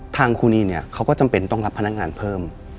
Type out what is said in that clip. ครูนีเนี่ยเขาก็จำเป็นต้องรับพนักงานเพิ่ม